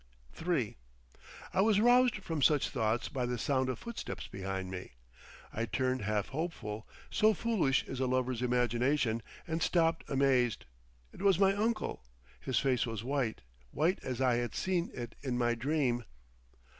III I was roused from such thoughts by the sound of footsteps behind me. I turned half hopeful—so foolish is a lover's imagination, and stopped amazed. It was my uncle. His face was white—white as I had seen it in my dream.